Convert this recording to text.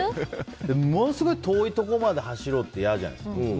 ものすごく遠いところまで走ろうっていやじゃないですか。